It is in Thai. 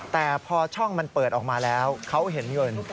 แต่พอช่องมันเปิดออกมาแล้วเขาเห็นเงิน